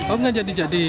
oh nggak jadi jadi